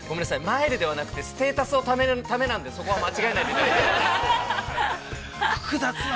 マイルではなくてステータスをためるためなんでそこは間違えないでいただきたい。